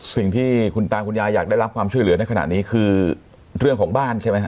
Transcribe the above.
สิ่งที่คุณตาคุณยายอยากได้รับความช่วยเหลือในขณะนี้คือเรื่องของบ้านใช่ไหมฮะ